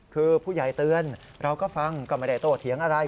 คือผู้ใหญ่เตือนเราก็ฟังก็ไม่ได้โตเถียงอะไร